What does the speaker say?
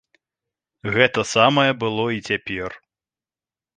Гэта самае было і цяпер.